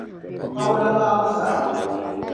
kawana ŋahibu saha.